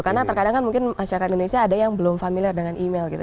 karena terkadang kan mungkin masyarakat indonesia ada yang belum familiar dengan email gitu